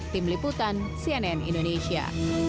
tim liputan cnn indonesia